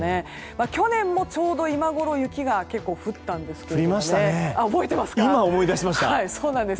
去年もちょうど今ごろ雪が結構降ったんですけど。